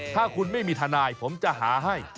ถ้าคุณไม่มีทนายผมจะหาให้